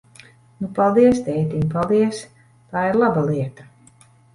Nu, paldies, tētiņ, paldies! Tā ir laba lieta!